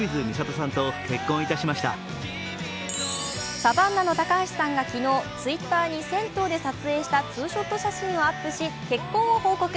サバンナの高橋さんが昨日、Ｔｗｉｔｔｅｒに銭湯で撮影したツーショット写真をアップし、結婚を報告。